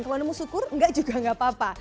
kalau nemu syukur enggak juga enggak apa apa